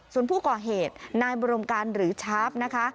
ส่วนผู้ก่อเหตุนายบรมการหรือชาร์ฟนะคะ